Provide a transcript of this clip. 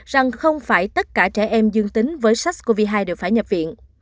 rằng không phải tất cả trẻ em dương tính với sars cov hai đều phải nhập viện